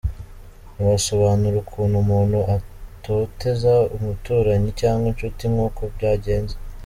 Ntiwasobanura ukuntu umuntu atoteza umuturanyi cyangwa inshuti nkuko byagenze.